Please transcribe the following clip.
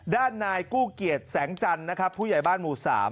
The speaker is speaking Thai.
ด้านนายกู้เกียจแสงจันทร์นะครับผู้ใหญ่บ้านหมู่๓